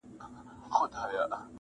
په قېمت لکه سېپۍ او مرغلري-